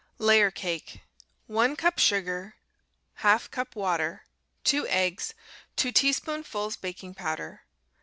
Layer Cake 1 cup sugar. 1/2 cup water. 2 eggs. 2 teaspoonfuls baking powder.